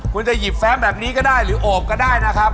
คุณจะหยิบแฟ้มแบบนี้ก็ได้หรือโอบก็ได้นะครับ